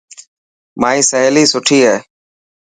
مائي سهيلي سٺي هي.